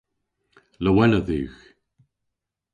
Lowena dhywgh!